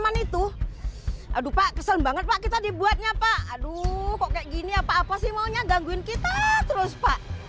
aduh kok kayak gini apa apa sih maunya gangguin kita terus pak